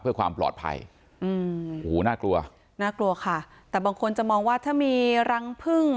เพื่อความปลอดภัยอืมโอ้โหน่ากลัวน่ากลัวค่ะแต่บางคนจะมองว่าถ้ามีรังพึ่ง